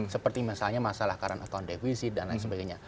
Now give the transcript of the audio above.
seperti masalah karantina akun dan sebagainya